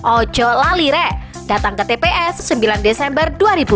ojo lalire datang ke tps sembilan desember dua ribu dua puluh